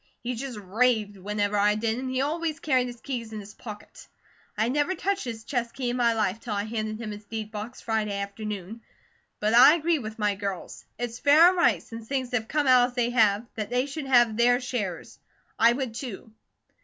He just raved whenever I did, an' he always carried his keys in his pocket. I never touched his chest key in my life, till I handed him his deed box Friday afternoon. But I agree with my girls. It's fair and right, since things have come out as they have, that they should have their shares. I would, too.